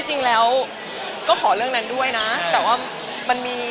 จุดข้อความยอม